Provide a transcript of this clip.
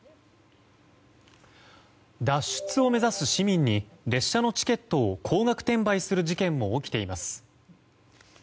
脱出を目指す市民に列車のチケットを高額転売する事件も起きています。